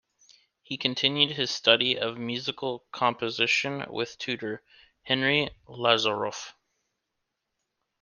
He continued his study of musical composition with tutor Henri Lazarof.